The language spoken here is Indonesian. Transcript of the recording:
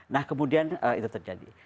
nah kemudian itu terjadi